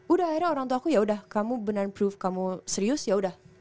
udah akhirnya orangtuaku yaudah kamu beneran proof kamu serius yaudah